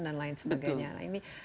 dan lain sebagainya ini